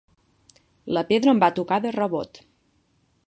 La pedra em va tocar de rebot.